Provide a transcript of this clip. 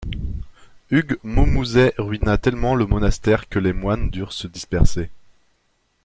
Hugues Maumouzet ruina tellement le monastère que les moines durent se disperser.